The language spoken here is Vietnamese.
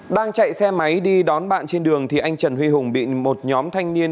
đang chạy xe máy đi đón bạn trên đường thì anh trần huy hùng bị một nhóm thanh niên